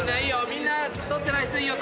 みんな撮ってない人いいよ。